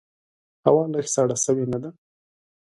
هوا لږ سړه سوي نده؟